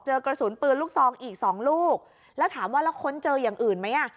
กระสุนปืนลูกซองอีกสองลูกแล้วถามว่าแล้วค้นเจออย่างอื่นไหมอ่ะ